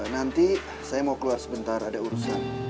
nanti saya mau keluar sebentar ada urusan